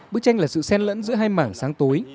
bức tranh là sự sen lẫn giữa hai mảng sáng tối